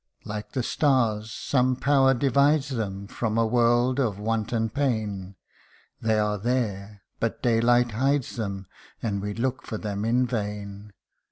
Like the stars, some power divides them From a world of want and pain ; They are there, but daylight hides them, And we look for them in vain.